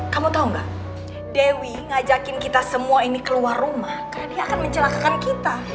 kamu tau gak dewi ngajakin kita semua ini keluar rumah karena dia akan mencelakakan kita